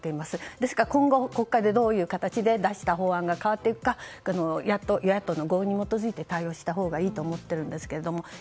ですから、今後国会でどういう形で出した法案が変わっていくか与野党の同意に基づいて対応したほうがいいと思っているんですけど。